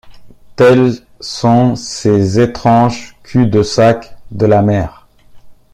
Tels sont ces étranges culs-de-sac de la mer.